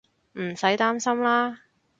唔使擔心喇